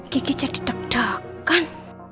kiki jadi deg degan